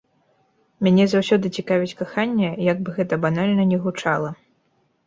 Мяне заўсёды цікавіць каханне, як бы гэта банальна не гучала.